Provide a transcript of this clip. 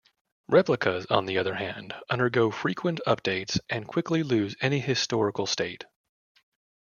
Replicas, on the other hand, undergo frequent updates and quickly lose any historical state.